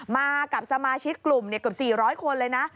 มากับสมาชิกกลุ่มเกือบ๔๐๐คนเลยนะ